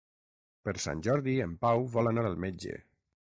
Per Sant Jordi en Pau vol anar al metge.